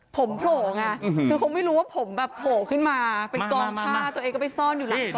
ผมโผล่ไงคือคงไม่รู้ว่าผมแบบโผล่ขึ้นมาเป็นกองผ้าตัวเองก็ไปซ่อนอยู่หลังกอง